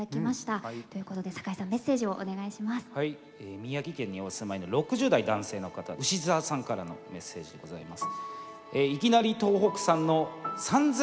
宮城県にお住まいの６０代男性の方牛澤さんからのメッセージでございます。